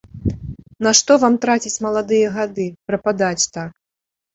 Нашто вам траціць маладыя гады, прападаць так?